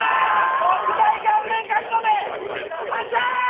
特大顔面書き初め発射！